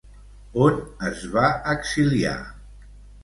On es va exiliar?